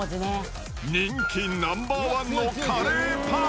人気ナンバー１のカレーパン。